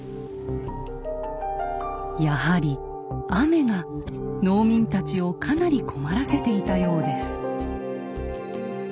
やはり雨が農民たちをかなり困らせていたようです。